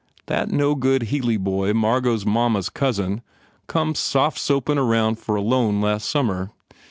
"That no good Healy boy Margot s mamma s cousin, come soft soapin round for a loan last summer.